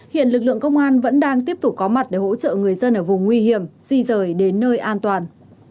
hiện lực lượng công an vẫn đang tiếp tục có mặt để hỗ trợ người dân ở vùng nguy hiểm di rời đến nơi an toàn